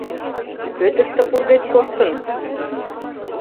— Кӧ тыште пургед коштын?